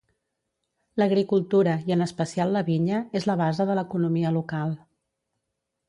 L'agricultura, i en especial la vinya, és la base de l'economia local.